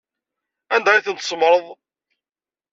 Anda ay ten-tsemmṛeḍ?